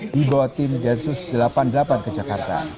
dibawa tim densus delapan puluh delapan ke jakarta